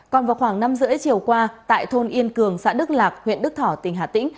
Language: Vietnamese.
còn vào khoảng năm h ba mươi chiều qua tại thôn yên cường xã đức lạc huyện đức thỏ tỉnh hà tĩnh